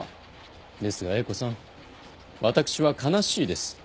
ですが英子さん私は悲しいです。